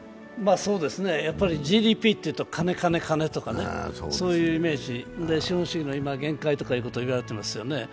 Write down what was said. そうですね、ＧＤＰというとカネカネカネという、そういうイメージ、資本主義の限界ということを言われてますよね。